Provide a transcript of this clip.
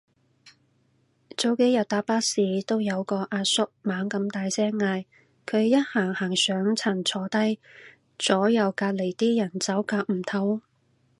早幾日搭巴士都有個阿叔猛咁大聲嗌，佢一行上上層坐低，左右隔離啲人走夾唔唞